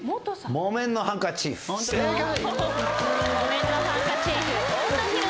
『木綿のハンカチーフ』正解！